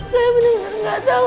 saya benar benar gak tau